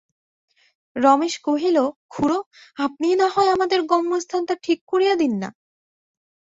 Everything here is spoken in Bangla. রমেশ কহিল, খুড়ো, আপনিই নাহয় আমাদের গম্যস্থানটা ঠিক করিয়া দিন-না।